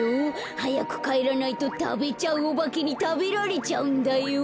はやくかえらないとたべちゃうおばけにたべられちゃうんだよ。